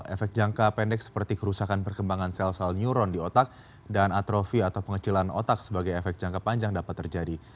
efek jangka pendek seperti kerusakan perkembangan sel sel neuron di otak dan atrofi atau pengecilan otak sebagai efek jangka panjang dapat terjadi